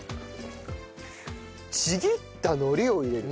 ちぎった海苔を入れる。